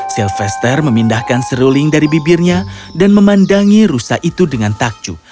sylvester memindahkan seruling dari bibirnya dan memandangi rusa itu dengan takju